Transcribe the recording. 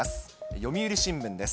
読売新聞です。